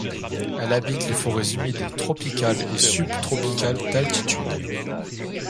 Elle habite les forêts humides tropicales et subtropicales d'altitude.